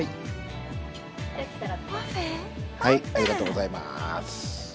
ありがとうございます。